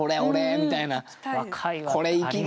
みたいな。